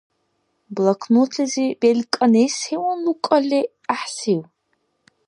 Блокнотлизи белкӀани севан лукӀалли гӀяхӀсив?